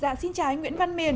dạ xin chào anh nguyễn văn miền